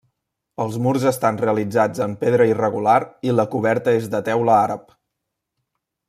Els murs estan realitzats en pedra irregular i la coberta és de teula àrab.